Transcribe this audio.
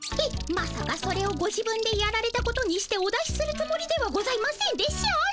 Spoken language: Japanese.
まさかそれをご自分でやられたことにしてお出しするつもりではございませんでしょうね。